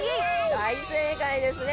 大正解ですね。